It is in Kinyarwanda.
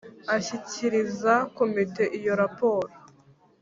ashyikiriza Komite iyo raporo